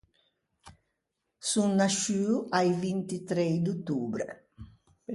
Son nasciuo a-i vinti trei d’ottobre.